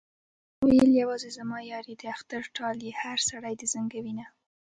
ما ويل يوازې زما يار يې د اختر ټال يې هر سړی دې زنګوينه